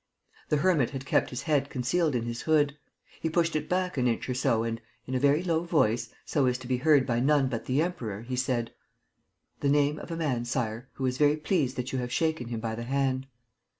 The hermit had kept his head concealed in his hood. He pushed it back an inch or so and, in a very low voice, so as to be heard by none but the Emperor, he said: "The name of a man, Sire, who is very pleased that you have shaken him by the hand."